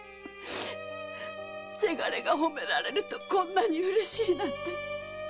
伜が褒められるとこんなに嬉しいなんて！